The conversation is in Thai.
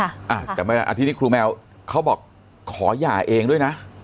อ่าแต่ไม่แล้วอ่าทีนี้ครูแมวเขาบอกขอย่าเองด้วยน่ะ